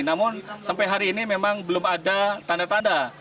namun sampai hari ini memang belum ada tanda tanda